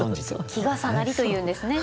「季重なり」というんですね。